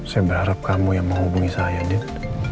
saya berharap kamu yang menghubungi saya gitu